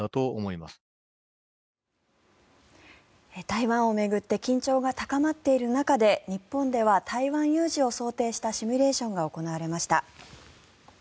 台湾を巡って緊張が高まっている中で日本では台湾有事を想定したシミュレーションが行われました。